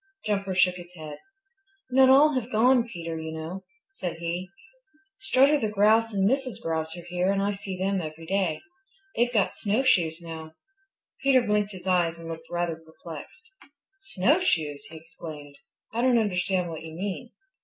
Jumper shook his head. "Not all have gone, Peter, you know," said he. "Strutter the Grouse and Mrs. Grouse are here, and I see them every day. They've got snowshoes now." Peter blinked his eyes and looked rather perplexed. "Snowshoes!" he exclaimed. "I don't understand what you mean."